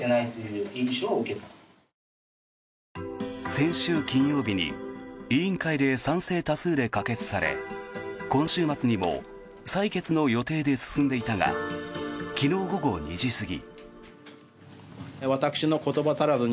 先週金曜日に委員会で賛成多数で可決され今週末にも採決の予定で進んでいたが昨日午後２時過ぎ。